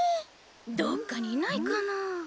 どっかにいないかなぁ。